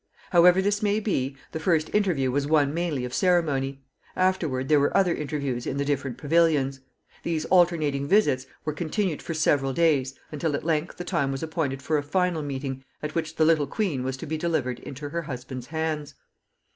However this may be, the first interview was one mainly of ceremony. Afterward there were other interviews in the different pavilions. These alternating visits were continued for several days, until at length the time was appointed for a final meeting, at which the little queen was to be delivered into her husband's hands.